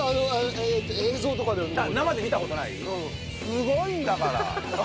すごいんだから！